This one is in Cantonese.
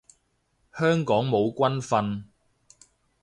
香港冇軍訓